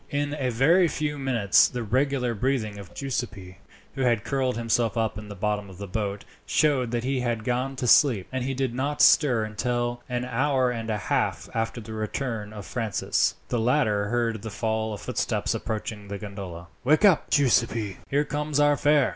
In a very few minutes the regular breathing of Giuseppi, who had curled himself up in the bottom of the boat, showed that he had gone to sleep; and he did not stir until, an hour and a half after the return of Francis, the latter heard the fall of footsteps approaching the gondola. "Wake up, Giuseppi, here comes our fare!"